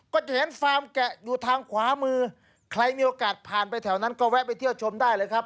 ก็จะเห็นฟาร์มแกะอยู่ทางขวามือใครมีโอกาสผ่านไปแถวนั้นก็แวะไปเที่ยวชมได้เลยครับ